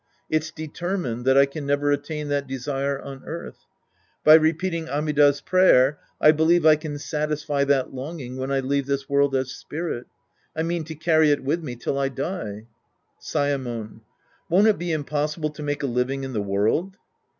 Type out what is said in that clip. It's determined that I can never attain that desire on earth. By repeating Amida's prayer, I believe I can satisfy that longing when I leave this world as spirit. I mean to carry it with me till I die. Saemon. Won't it be impossible to make a living in the world